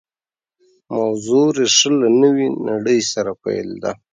موضوع ریښه له نوې نړۍ سره پیل ده